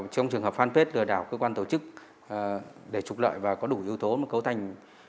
trong trường hợp fanpage lừa đảo cơ quan tổ chức để trục lợi và có đủ yếu tố cấu thành